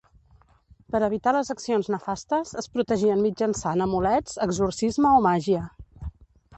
Per evitar les accions nefastes es protegien mitjançant amulets, exorcisme o màgia.